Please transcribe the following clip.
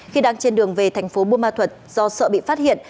khi đang trên đường về thành phố buôn ma thuật do sợ bị phát hiện